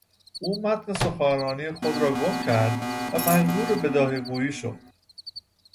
او متن سخنرانی خود را گم کرد و مجبور به بداهه گویی شد.